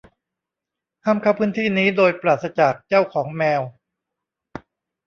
ห้ามเข้าพื้นที่นี้โดยปราศจากเจ้าของแมว